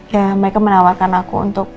ya mereka menawarkan aku untuk